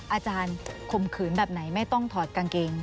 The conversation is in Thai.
ข่มขืนแบบไหนไม่ต้องถอดกางเกง